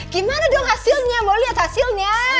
gimana dong hasilnya mau lihat hasilnya